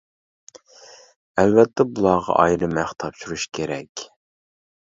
ئەلۋەتتە بۇلارغا ئايرىم ھەق تاپشۇرۇش كېرەك.